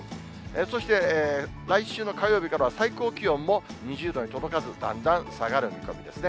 そして来週の火曜日からは最高気温も２０度に届かず、だんだん下がる見込みですね。